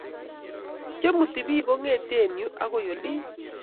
chemuti bik kongete yu akoi olin